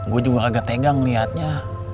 gue juga agak tegang lihatnya